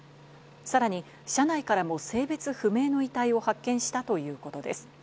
さらに社内からも性別不明の遺体を発見したということです。